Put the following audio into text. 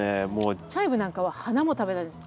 チャイブなんかは花も食べれる。